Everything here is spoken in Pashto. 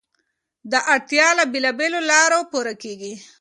دا اړتیا له بېلابېلو لارو پوره کېږي.